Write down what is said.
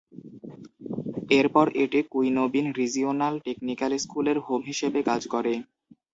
এরপর এটি কুইনোবিন রিজিওনাল টেকনিক্যাল স্কুলের হোম হিসেবে কাজ করে।